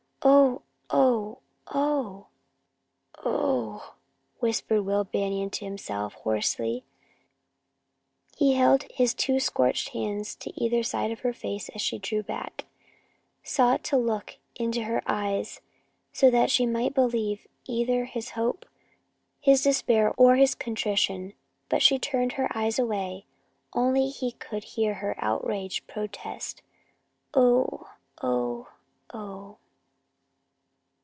"Oh! Oh! Oh!" "Oh!" whispered Will Banion to himself, hoarsely. He held his two scorched hands each side her face as she drew back, sought to look into her eyes, so that she might believe either his hope, his despair or his contrition. But she turned her eyes away. Only he could hear her outraged protest "Oh! Oh! Oh!"